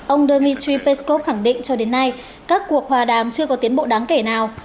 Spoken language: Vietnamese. ông dmitry peskov khẳng định cho đến nay các cuộc hòa đàm chưa có tiến bộ đáng kể nào